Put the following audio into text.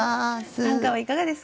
短歌はいかがですか？